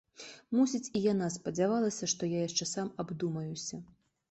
Мусіць, і яна спадзявалася, што я яшчэ сам абдумаюся.